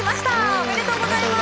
おめでとうございます。